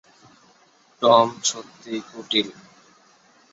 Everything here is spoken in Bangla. টম সত্যিই কুটিল।